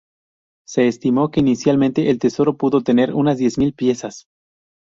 Se estimó que inicialmente el tesoro pudo tener unas diez mil piezas.